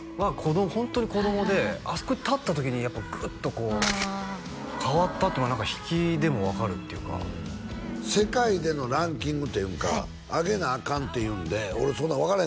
ホントに子供であそこに立った時にやっぱグッと変わったっていうのが引きでも分かるっていうか世界でのランキングっていうんか上げなアカンっていうんで俺そんなん分から